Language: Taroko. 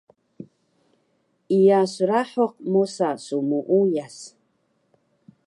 Iya srahuq mosa su muuyas